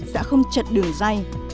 sẽ không chật đường dây